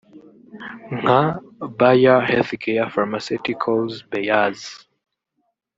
nka ’Bayer Healthcare Pharmaceutical’s Beyaz